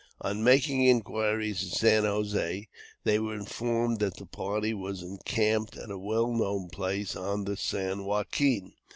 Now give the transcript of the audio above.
On making inquiries at San José, they were informed that the party was encamped at a well known place on the San Joaquin.